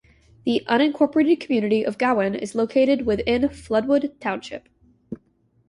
The unincorporated community of Gowan is located within Floodwood Township.